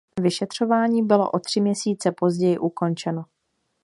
Vyšetřování bylo o tři měsíce později ukončeno.